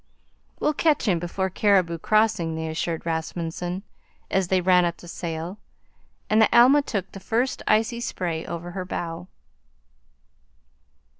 "We'll catch him before Cariboo Crossing," they assured Rasmunsen, as they ran up the sail and the Alma took the first icy spray over her bow.